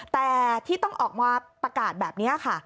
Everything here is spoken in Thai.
แต่ที่ต้องออกมาประกาศแบบนี้ค่ะ